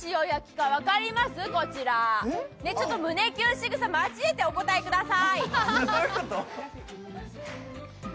しぐさ交えてお答えください。